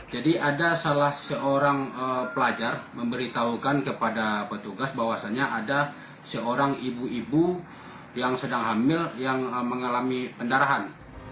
jadi ada salah seorang pelajar memberitahukan kepada petugas bahwasannya ada seorang ibu ibu yang sedang hamil yang mengalami pendarahan